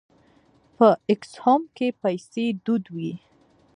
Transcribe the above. په اکسوم کې پیسې دود وې.